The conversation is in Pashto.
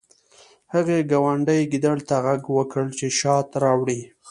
هغې ګاونډي ګیدړ ته غږ وکړ چې شات راوړي